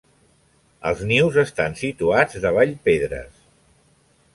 Els nius estan situats davall pedres.